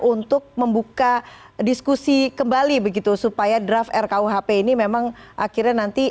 untuk membuka diskusi kembali begitu supaya draft rkuhp ini memang akhirnya nanti